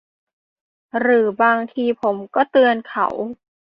หรือบางทีผมก็เตือนเขา